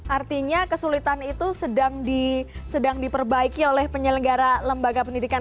artinya kesulitan itu sedang diperbaiki oleh penyelenggara lembaga pendidikan